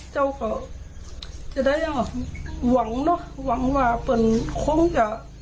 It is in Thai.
เขาจะได้หวังเนอะหวังว่าเปิ้ลคงจะ